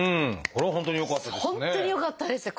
これは本当によかったですね。